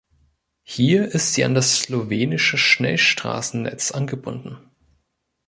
Hier ist sie an das slowenische Schnellstraßennetz angebunden.